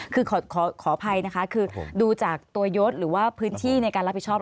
คือขออภัยนะคะคือดูจากตัวยศหรือว่าพื้นที่ในการรับผิดชอบ